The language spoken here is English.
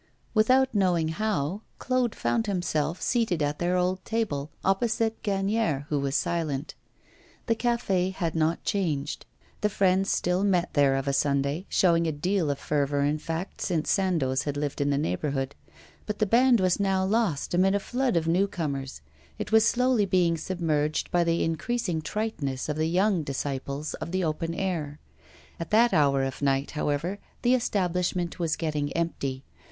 Without knowing how, Claude found himself seated at their old table, opposite Gagnière, who was silent. The café had not changed. The friends still met there of a Sunday, showing a deal of fervour, in fact, since Sandoz had lived in the neighbourhood; but the band was now lost amid a flood of new comers; it was slowly being submerged by the increasing triteness of the young disciples of the 'open air.' At that hour of night, however, the establishment was getting empty.